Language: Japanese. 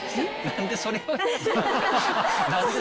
何でそれ。